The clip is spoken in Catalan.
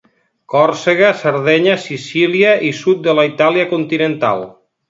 Còrsega, Sardenya, Sicília i sud de la Itàlia continental.